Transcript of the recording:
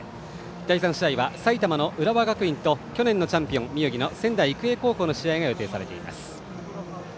第３試合は埼玉の浦和学院と去年のチャンピオン宮城の仙台育英高校の試合が予定されています。